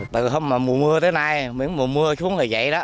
từ hôm mà mùa mưa tới nay miếng mùa mưa xuống là vậy đó